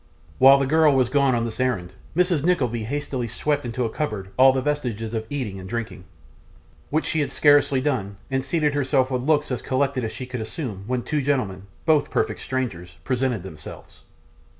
While the girl was gone on this errand, Mrs. Nickleby hastily swept into a cupboard all vestiges of eating and drinking; which she had scarcely done, and seated herself with looks as collected as she could assume, when two gentlemen, both perfect strangers, presented themselves.